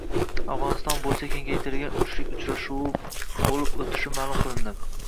Afg‘oniston bo‘yicha “kengaytirilgan uchlik” uchrashuvi bo‘lib o‘tishi ma’lum qilinding